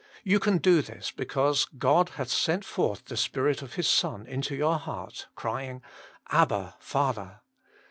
You can do this because "God hath sent forth the Spirit of His Sou into your heart, crying, Abba, Father."